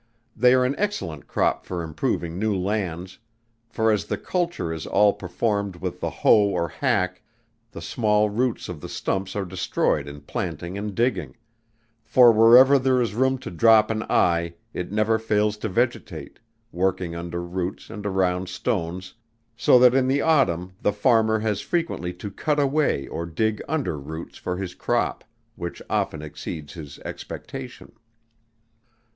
They are an excellent crop for improving new lands; for as the culture is all performed with the hoe or hack, the small roots of the stumps are destroyed in planting and digging; for wherever there is room to drop an eye, it never fails to vegetate, working under roots and around stones, so that in the autumn the farmer has frequently to cut away or dig under roots for his crop, which often exceeds his expectation.